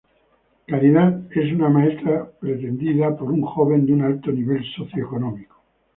Caridad es una maestra pretendida por un joven de un alto nivel socioeconómico.